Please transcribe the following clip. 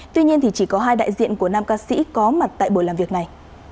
tuy nhiên thì chỉ có hai đại diện của nam ca sĩ có mặt tại buổi làm việc này